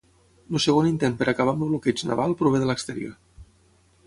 El segon intent per acabar amb el bloqueig naval prové de l'exterior.